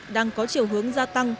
đang có chiều hướng gia tăng